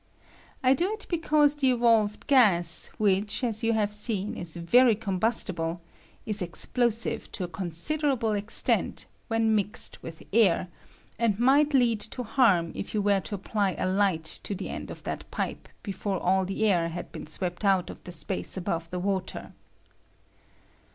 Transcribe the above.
I do it because the evolved gas, which, as you have seen, is very combustible, is explosive to a considerable extent when mixed with air, and might lead to harm if you were to apply a light to the end of that pipe before all the air had been swept out J w PREPARATION OF HYDBOSEN. of the space above tbe water.